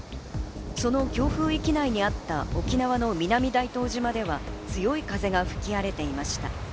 その強風域内にあった沖縄の南大東島では、強い風が吹き荒れていました。